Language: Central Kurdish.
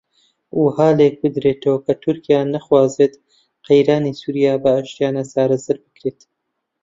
وەها لێک بدرێتەوە کە تورکیا ناخوازێت قەیرانی سووریا بە ئاشتییانە چارەسەر بکرێت